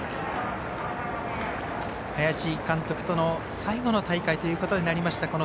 林監督との最後の大会ということになりました